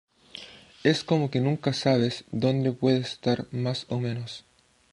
Es como que nunca sabes donde puede estar más o menos.